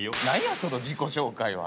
その自己紹介は。